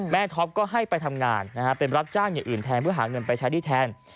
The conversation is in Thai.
ท็อปก็ให้ไปทำงานเป็นรับจ้างอย่างอื่นแทนเพื่อหาเงินไปใช้หนี้แทน